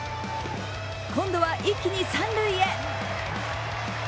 今度は一気に三塁へ。